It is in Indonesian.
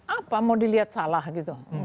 apa mau dilihat salah gitu